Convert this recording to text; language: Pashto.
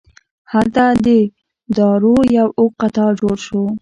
هلته د دارو یو اوږد قطار جوړ شو.